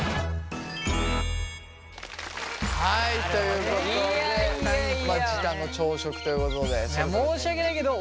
はいということでまあ時短の朝食ということで。